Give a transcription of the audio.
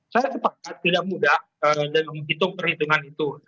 saya sepakat tidak mudah dan menghitung perhitungan itu